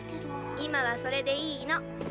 今はそれでいいの。え！